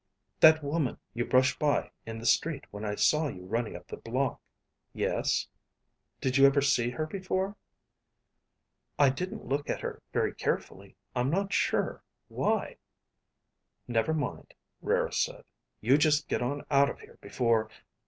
"That woman you brushed by in the street when I saw you running up the block...." "Yes?" "Did you ever see her before?" "I didn't look at her very carefully. I'm not sure. Why?" "Never mind," Rara said. "You just get on out of here before....